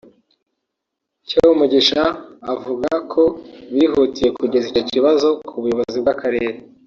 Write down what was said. Cyomugisha avuga ko bihutiye kugeza icyo kibazo ku buyobozi bw’Akarere